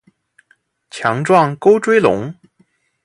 强壮沟椎龙。